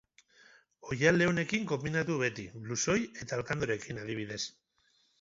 Oihal leunekin konbinatu beti, blusoi eta alkandorekin adibidez.